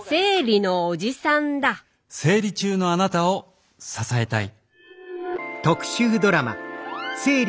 生理中のあなたを支えたい。